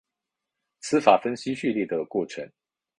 词法分析序列的过程。